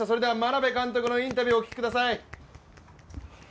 眞鍋監督のインタビューをお聞きください。